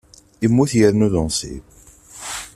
Immut yernu d unṣib.